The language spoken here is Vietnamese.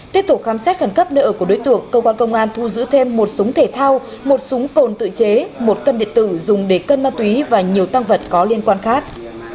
tiếp tục khám xét khẩn cấp nợ của đối tượng cơ quan công an thu giữ thêm một súng thể thao một súng cồn tự chế một cân điện tử dùng để cân ma túy và nhiều tăng vật có liên quan khác